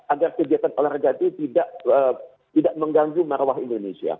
agar kegiatan olahraga itu tidak mengganggu marwah indonesia